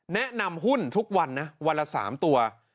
แนะนำหุ้นทุกวันนะวันละ๓ตัว